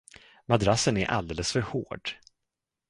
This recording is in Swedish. Madrassen är alldeles för hård.